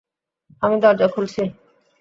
আমি দরজা খুলছি!